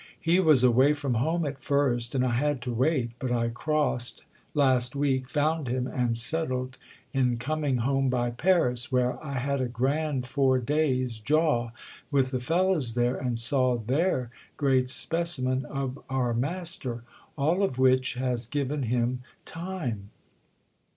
"He was away from home at first, and I had to wait—but I crossed last week, found him and settled incoming home by Paris, where I had a grand four days' jaw with the fellows there and saw their great specimen of our master: all of which has given him time."